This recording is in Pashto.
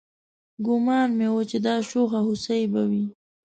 ګومان مې و چې دا شوخه هوسۍ به